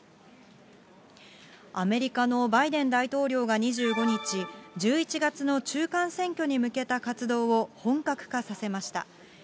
アメリカのバイデン大統領が２５日、１１月の中間選挙に向けた活動を本格化させました。